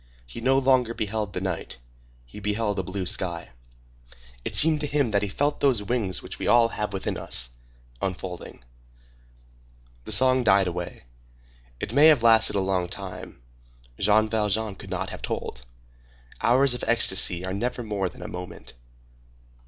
He no longer beheld the night; he beheld a blue sky. It seemed to him that he felt those wings which we all have within us, unfolding. The song died away. It may have lasted a long time. Jean Valjean could not have told. Hours of ecstasy are never more than a moment.